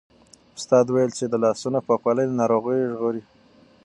استاد وویل چې د لاسونو پاکوالی له ناروغیو ژغوري.